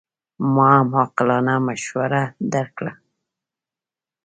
ما هم عاقلانه مشوره درکړه.